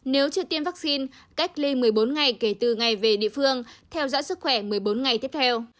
nếu chưa tiêm vaccine cách ly một mươi bốn ngày kể từ ngày về địa phương theo dõi sức khỏe một mươi bốn ngày tiếp theo